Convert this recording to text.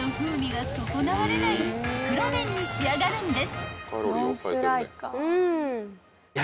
［袋麺に仕上がるんです］